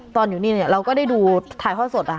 ตอนอยู่นี่เนี่ยเราก็ได้ดูถ่ายข้อสด